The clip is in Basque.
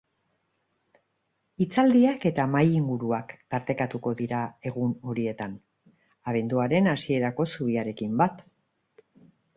Hitzaldiak eta mahai-inguruak tartekatuko dira egun horietan, abenduaren hasierako zubiarekin bat.